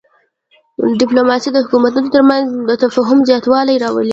ډیپلوماسي د حکومتونو ترمنځ د تفاهم زیاتوالی راولي.